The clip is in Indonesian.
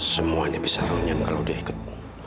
semuanya bisa ronyang kalau dia ikut